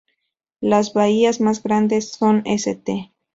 Las bahías más grandes son "St.